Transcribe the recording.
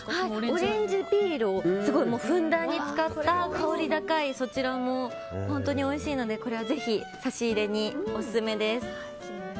オレンジピールをふんだんに使った香り高いそちらも本当においしいのでこれは、ぜひ差し入れにオススメです。